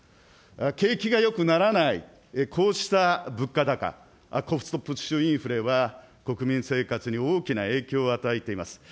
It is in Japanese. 景気がよくならない、こうした物価高、ポストプッシュインフレは、国民生活に大きな影響を与えています。